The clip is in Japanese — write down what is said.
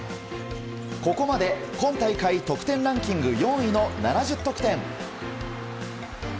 ここまで、今大会得点ランキング４位の７０得点。